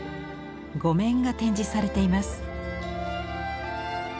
５面が展示されています。